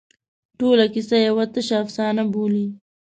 ټوله کیسه یوه تشه افسانه بولي.